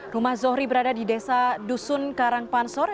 rumah zohri berada di desa dusun karangpansor